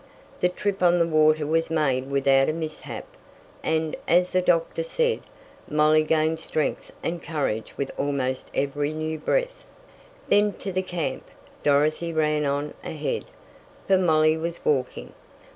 The trip on the water was made without a mishap, and, as the doctor said, Molly gained strength and courage with almost every new breath. Then to the camp! Dorothy ran on ahead, for Molly was walking.